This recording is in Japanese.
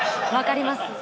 分かります。